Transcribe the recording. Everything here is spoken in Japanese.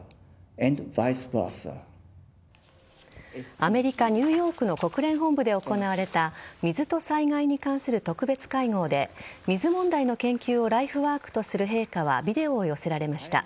アメリカ・ニューヨークの国連本部で行われた水と災害に関する特別会合で水問題の研究をライフワークとする陛下はビデオを寄せられました。